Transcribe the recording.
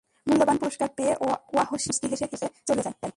মূল্যবান পুরস্কার পেয়ে ওয়াহশী মুচকি হেসে হেসে চলে যায়।